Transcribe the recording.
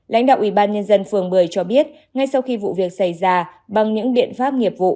lãnh đạo ubnd phường bưởi cho biết ngay sau khi vụ việc xảy ra bằng những biện pháp nghiệp vụ